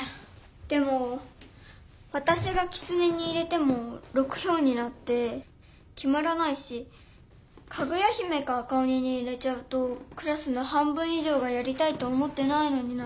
でもわたしが「きつね」に入れても６ひょうになってきまらないし「かぐや姫」か「赤おに」に入れちゃうとクラスの半分いじょうがやりたいと思ってないのになっちゃうし。